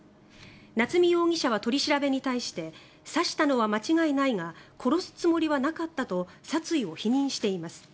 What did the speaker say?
夏見容疑者は取り調べに対して刺したのは間違いないが殺すつもりはなかったと殺意を否認しています。